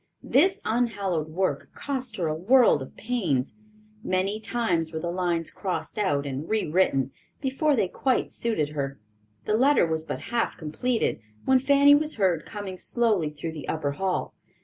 This unhallowed work cost her a world of pains. Many times were the lines crossed out and rewritten, before they quite suited her. The letter was but half completed, when Fanny was heard coming slowly through the upper hall.